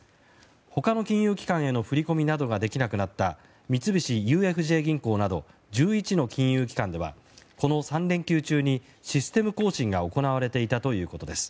他の金融機関への振り込みなどができなくなった三菱ＵＦＪ銀行など１１の金融機関ではこの３連休中にシステム更新が行われていたということです。